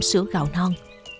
sữa gạo non